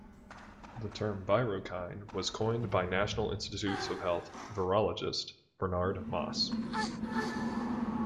The term "virokine" was coined by National Institutes of Health virologist Bernard Moss.